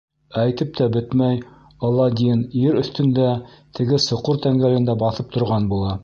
Әйтеп тә бөтмәй, Аладдин ер өҫтөндә теге соҡор тәңгәлендә баҫып торған була.